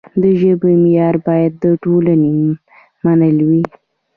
د ژبې معیار باید د ټولنې منل وي.